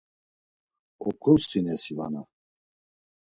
Oǩuntxinesi vana?